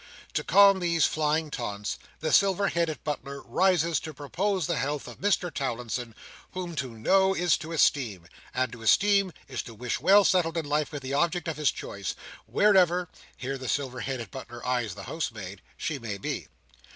To calm these flying taunts, the silver headed butler rises to propose the health of Mr Towlinson, whom to know is to esteem, and to esteem is to wish well settled in life with the object of his choice, wherever (here the silver headed butler eyes the housemaid) she may be.